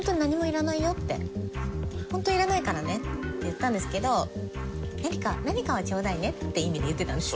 「ホントいらないからね」って言ったんですけど「何かはちょうだいね」って意味で言ってたんですよ。